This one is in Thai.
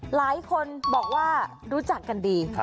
หลายคนบอกว่ารู้จักกันดี